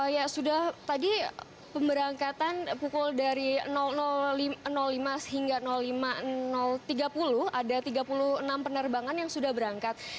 ya sudah tadi pemberangkatan pukul dari lima hingga lima tiga puluh ada tiga puluh enam penerbangan yang sudah berangkat